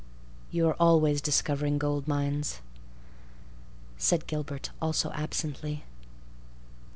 "You are always discovering gold mines," said Gilbert—also absently.